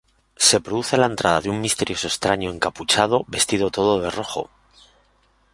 Se produce la entrada de un misterioso extraño encapuchado vestido todo de rojo.